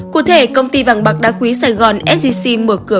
cụ thể công ty vàng bạc đa quý sài gòn sec mở cửa